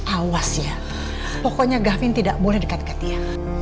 awas ya pokoknya gavin tidak boleh dekat dekat ya